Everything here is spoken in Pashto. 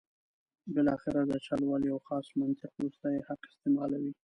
بالاخره د چل ول یو خاص منطق وروستی حق استعمالوي.